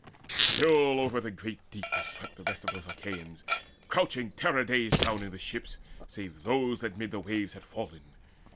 Still over the great deep were swept the rest Of those Achaeans, crouching terror dazed Down in the ships, save those that mid the waves Had fallen.